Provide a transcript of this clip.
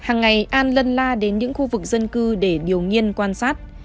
hàng ngày an lân la đến những khu vực dân cư để điều nghiên quan sát